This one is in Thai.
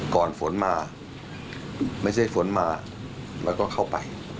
ก่อนฝนมาไม่ใช่ฝนมาแล้วก็เข้าไป